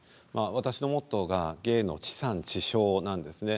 私のモットーが「芸の地産地消」なんですね。